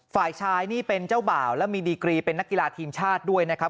ฝ่ายชายนี่เป็นเจ้าบ่าวและมีดีกรีเป็นนักกีฬาทีมชาติด้วยนะครับ